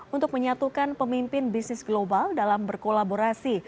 untuk menyatukan pemimpin bisnis global dalam berkolaborasi